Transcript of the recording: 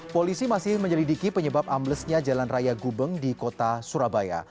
polisi masih menyelidiki penyebab amblesnya jalan raya gubeng di kota surabaya